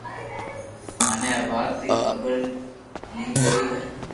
مني آ وات ري خبر ني ھوئي